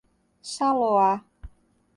Saloá